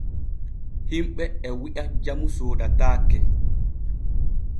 Himɓe e wi’a jamu soodataake.